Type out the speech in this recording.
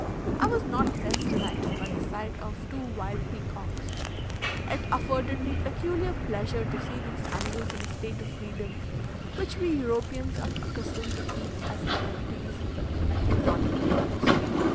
I was not less delighted by the sight of two wild peacocks. It afforded me peculiar pleasure to see these animals in a state of freedom, which we Europeans are accustomed to keep as rarities, like exotic plants.